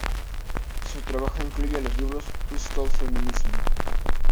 Su trabajo incluye los libros "Who Stole Feminism?